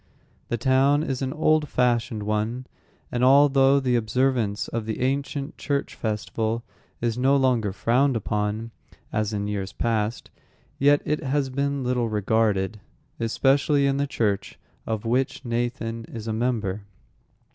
The town is an old fashioned one, and although the observance of the ancient church festival is no longer frowned upon, as in years past, yet it has been little regarded, especially in the church of which Nathan is a member.